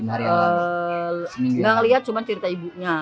tidak melihat cuma cerita ibunya